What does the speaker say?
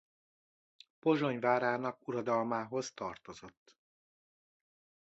Pozsony várának uradalmához tartozott.